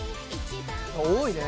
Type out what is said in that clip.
多いね。